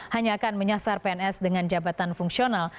hanya akan menyasar pns dengan jabatan fungsional